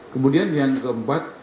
kemudian yang keempat